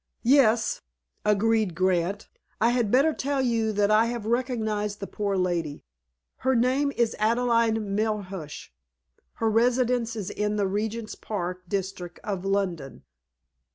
"Yes," agreed Grant. "I had better tell you that I have recognized the poor lady. Her name is Adelaide Melhuish. Her residence is in the Regent's Park district of London."